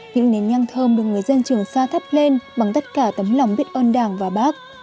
những nến nhăng thơm được người dân trường sa thắp lên bằng tất cả tấm lòng biết ơn đảng và bác